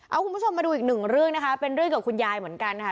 เอาคุณผู้ชมมาดูอีกหนึ่งเรื่องนะคะเป็นเรื่องกับคุณยายเหมือนกันค่ะ